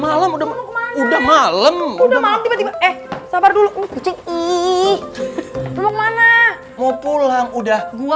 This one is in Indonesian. malam udah malam udah malam tiba tiba eh sabar dulu kucing ih belum mana mau pulang udah gua